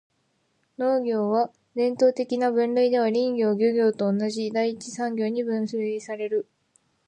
農業は、伝統的な分類では林業・漁業と同じ第一次産業に分類される。